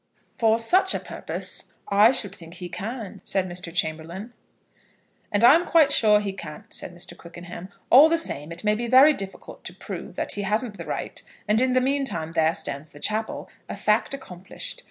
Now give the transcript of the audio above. "For such a purpose I should think he can," said Mr. Chamberlaine. "And I'm quite sure he can't," said Mr. Quickenham. "All the same, it may be very difficult to prove that he hasn't the right; and in the meantime there stands the chapel, a fact accomplished.